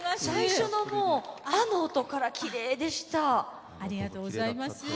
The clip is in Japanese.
最初の「あ」の音からきれいでした。